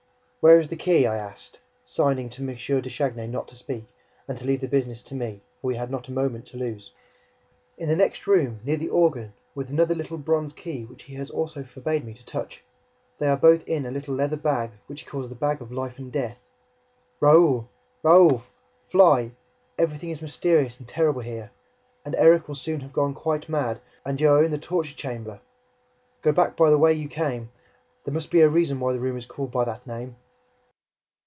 "Where is the key?" I asked, signing to M. de Chagny not to speak and to leave the business to me, for we had not a moment to lose. "In the next room, near the organ, with another little bronze key, which he also forbade me to touch. They are both in a little leather bag which he calls the bag of life and death... Raoul! Raoul! Fly! Everything is mysterious and terrible here, and Erik will soon have gone quite mad, and you are in the torture chamber! ... Go back by the way you came. There must be a reason why the room is called by that name!"